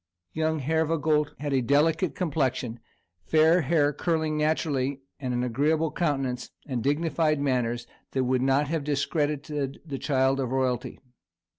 Young Hervagault had a delicate complexion, fair hair curling naturally, an agreeable countenance, and dignified manners that would not have discredited the child of royalty.